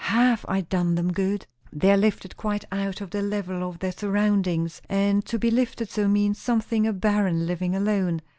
have I done them good? They are lifted quite out of the level of their surroundings; and to be lifted so, means sometimes a barren living alone.